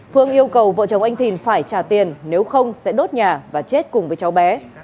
phương yêu cầu vợ chồng anh thìn phải trả tiền nếu không sẽ đốt nhà và chết cùng với cháu bé